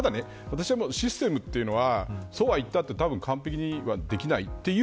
ただ、システムというのはそうは言ったってたぶん完璧にはできないという。